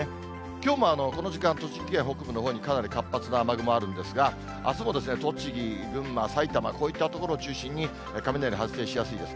きょうもこの時間、栃木県北部のほうにかなり活発な雨雲あるんですが、あすも栃木、群馬、埼玉、こういった所を中心に雷発生しやすいです。